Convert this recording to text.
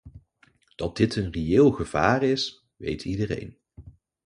Dat dit een reëel gevaar is, weet iedereen.